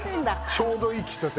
ちょうどいい喫茶店